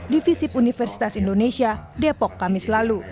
divisip universitas indonesia depok kamis lalu